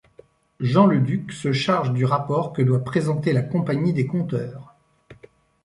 Jean Le Duc se charge du rapport que doit présenter la Compagnie des Compteurs.